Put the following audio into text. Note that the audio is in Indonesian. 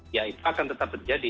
ya itu akan tetap terjadi